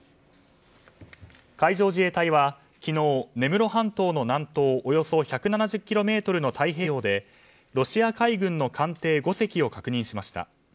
海上自衛隊は昨日、根室半島の南東およそ１７０ｋｍの太平洋でロシア海軍の艦艇５隻を確認しました。